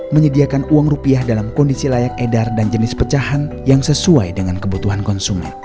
menyediakan uang rupiah dalam kondisi layak edar dan jenis pecahan yang sesuai dengan kebutuhan konsumen